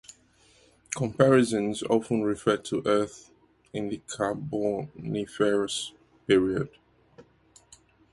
Comparisons often referred to Earth in the Carboniferous period.